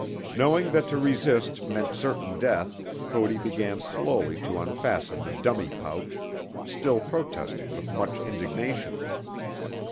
Knowing that to resist meant certain death Cody began slowly to unfasten the dummy pouch, still protesting with much indignation.